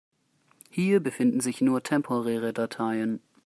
Hier befinden sich nur temporäre Dateien.